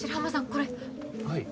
これはい